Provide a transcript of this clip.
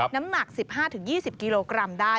น้ำหนักสิบห้าถึงยี่สิบกิโลกรัมได้